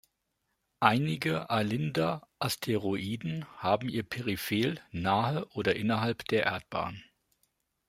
Einige Alinda-Asteroiden haben ihr Perihel nahe oder innerhalb der Erdbahn.